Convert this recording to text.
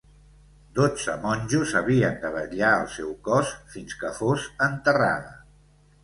Dotze monjos havien de vetllar el seu cos fins que fos enterrada.